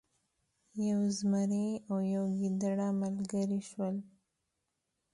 یو زمری او یو ګیدړه ملګري شول.